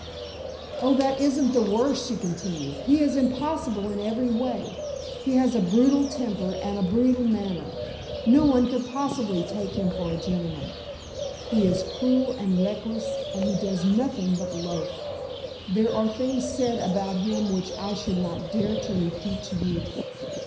"Oh, that isn't the worst," she continued. "He is impossible in every way. He has a brutal temper and a brutal manner. No one could possibly take him for a gentleman. He is cruel and reckless, and he does nothing but loaf. There are things said about him which I should not dare to repeat to you.